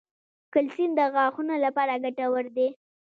کلسیم د غاښونو لپاره ګټور دی